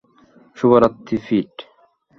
শুভরাত্রি, পিট।